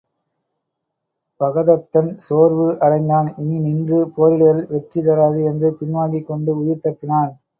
பகதத்தன் சோர்வு அடைந்தான் இனி நின்று போரிடுதல் வெற்றி தராது என்று பின்வாங்கிக் கொண்டு உயிர் தப்பினான்.